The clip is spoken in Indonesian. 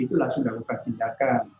itu langsung dah lakukan tindakan